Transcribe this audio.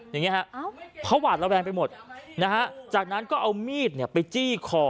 อย่างนี้ฮะเขาหวาดระแวงไปหมดนะฮะจากนั้นก็เอามีดไปจี้คอ